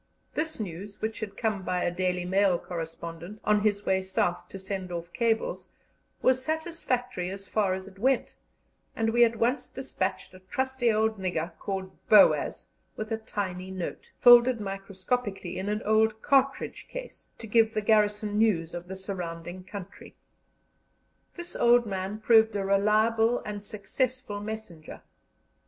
This news, which had come by a Daily Mail correspondent, on his way South to send off cables, was satisfactory as far as it went, and we at once despatched a trusty old nigger called Boaz with a tiny note, folded microscopically in an old cartridge case, to give the garrison news of the surrounding country. This old man proved a reliable and successful messenger.